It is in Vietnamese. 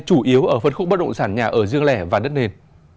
chủ yếu ở phân khúc bất động sản nhà ở riêng lẻ và đất nền